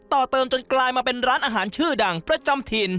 ต่อเติมจนกลายมาเป็นร้านอาหารชื่อดังประจำถิ่น